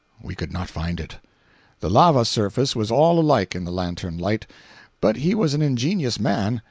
We could not find it. The lava surface was all alike in the lantern light. But he was an ingenious man.